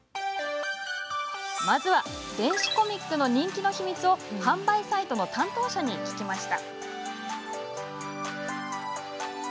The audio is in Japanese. まずは電子コミックの人気の秘密を販売サイトの担当者に聞きました。